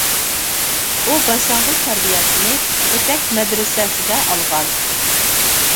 ئۇ باشلانغۇچ تەربىيەسىنى ئۆتەك مەدرىسەسىدە ئالغان.